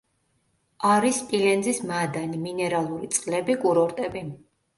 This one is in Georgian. არის სპილენძის მადანი, მინერალური წყლები, კურორტები.